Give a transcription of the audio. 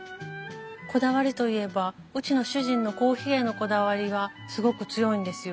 こだわりといえばうちの主人のコーヒーへのこだわりがすごく強いんですよ。